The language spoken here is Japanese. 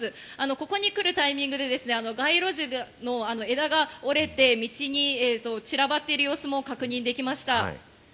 ここに来るタイミングで街路樹の枝が折れて、道に散らばっている様子も確認できました。